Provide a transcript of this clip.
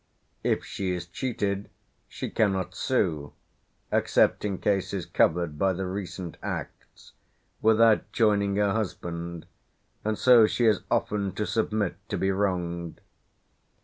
If she is cheated, she cannot sue, except in cases covered by the recent Acts, without joining her husband, and so she has often to submit to be wronged.